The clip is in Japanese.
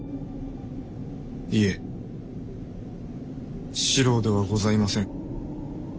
いえ四郎ではございません。